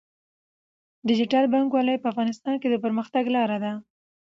ډیجیټل بانکوالي په افغانستان کې د پرمختګ لاره ده.